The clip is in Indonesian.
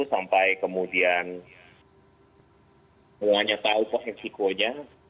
sampai kemudian semuanya tahu posisi kuanya